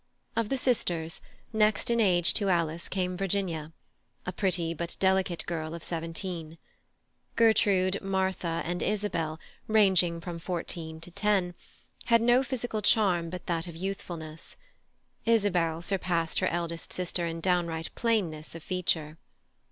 Of the sisters, next in age to Alice came Virginia, a pretty but delicate girl of seventeen. Gertrude, Martha, and Isabel, ranging from fourteen to ten, had no physical charm but that of youthfulness; Isabel surpassed her eldest sister in downright plainness of feature.